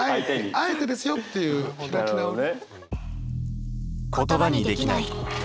あえてですよっていう開き直り。